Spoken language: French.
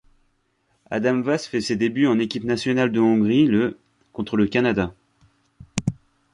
Ádám Vass fait ses débuts en équipe nationale de Hongrie le contre le Canada.